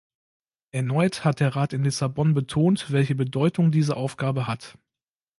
Erneut hat der Rat in Lissabon betont, welche Bedeutung diese Aufgabe hat.